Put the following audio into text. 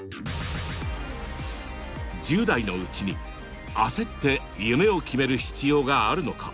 １０代のうちに焦って夢を決める必要があるのか？